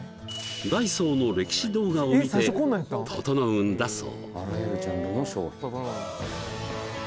ダイソーの歴史動画を見て整うんだそう